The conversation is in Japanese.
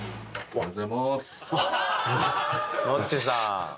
おはようございます